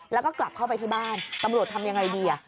แล้วก็กลับเข้าไปที่บ้านตำรวจทำยังไงดี